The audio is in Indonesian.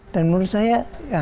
dan menurut saya